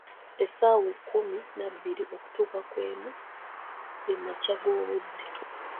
Essaawa ekkumi nabbiri okutuuka ku emu, ge makya g'obudde.